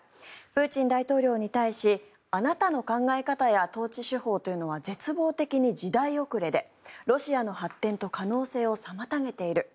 プーチン大統領に対しあなたの考え方や統治手法というのは絶望的に時代遅れでロシアの発展と可能性を妨げている。